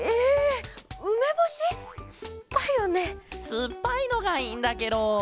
すっぱいのがいいんだケロ。